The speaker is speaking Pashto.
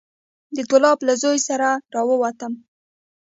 د ګلاب له زوى سره راووتم.